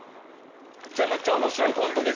めちゃめちゃ面白いコントで